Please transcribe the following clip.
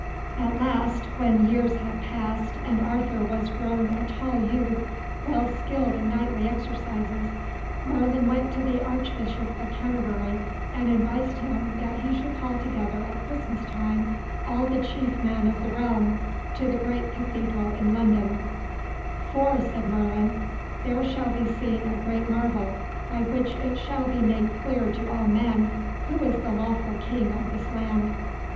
At last, when years had passed and Arthur was grown a tall youth well skilled in knightly exercises, Merlin went to the Archbishop of Canterbury and advised him that he should call together at Christmas time all the chief men of the realm to the great cathedral in London; "For," said Merlin, "there shall be seen a great marvel by which it shall be made clear to all men who is the lawful King of this land."